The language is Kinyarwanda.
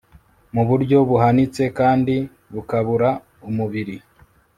mu buryo buhanitse kandi bukabura umubiri